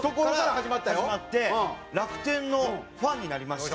始まって楽天のファンになりまして。